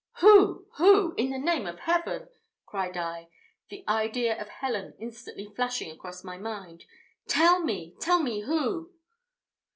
"Who, who? in the name of Heaven!" cried I, the idea of Helen instantly flashing across my mind. "Tell me, tell me who!"